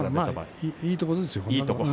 いいところですよ。